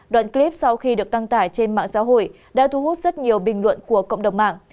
đoạn clip sau khi được đăng tải trên mạng xã hội đã thu hút rất nhiều bình luận của cộng đồng mạng